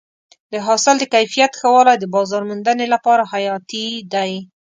د حاصل د کیفیت ښه والی د بازار موندنې لپاره حیاتي دی.